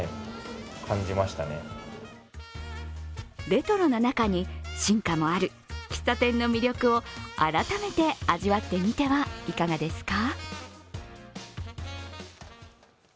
レトロな中に進化もある喫茶店の魅力を改めて味わってみてはいかがですか？